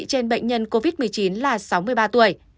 trên bệnh nhân covid một mươi chín là sáu mươi ba tuổi